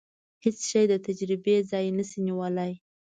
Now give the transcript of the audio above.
هیڅ شی د تجربې ځای نشي نیولای.